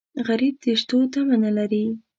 غریب د شتو تمه نه لري